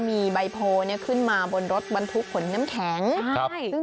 มีใบโพลเนี่ยขึ้นมาบนรถบรรทุกขนน้ำแข็งใช่